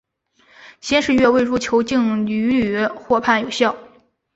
先是越位入球竟屡屡获判有效。